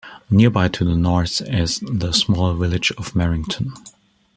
Nearby, to the north, is the small village of Merrington.